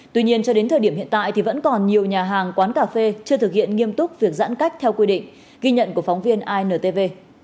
tuy nhiên cho đến thời điểm hiện tại thì vẫn còn nhiều nhà hàng quán cà phê chưa thực hiện nghiêm túc việc giãn cách theo quy định ghi nhận của phóng viên intv